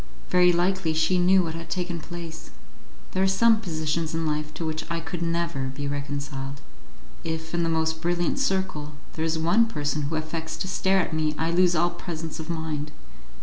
Very likely she knew what had taken place. There are some positions in life to which I could never be reconciled. If, in the most brilliant circle, there is one person who affects to stare at me I lose all presence of mind.